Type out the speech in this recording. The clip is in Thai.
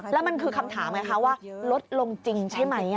แล้วมันคือคำถามไงคะว่าลดลงจริงใช่ไหม